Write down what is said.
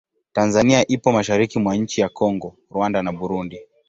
Tanzania ipo mashariki mwa nchi za Kongo, Rwanda na Burundi.